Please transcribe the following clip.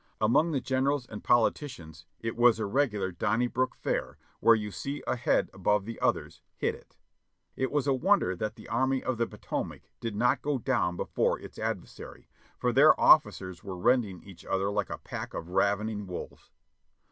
Among the generals and politicians it was a regidar Donnybrook fair — where you see a head above the others, hit it. It was a wonder that the Army of the Potomac did not go down before its adversary, for their officers were rending each other like a pack of ravening wolves.